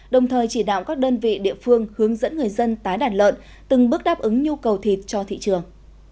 đồng thời chỉ đạo các đơn vị địa phương hướng dẫn người dân tái đàn lợn từng bước đáp ứng nhu cầu thịt cho thị trường